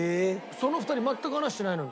その２人全く話してないのに。